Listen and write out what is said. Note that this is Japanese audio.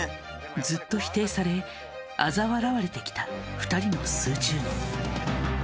ずっと否定されあざ笑われてきた２人の数十年。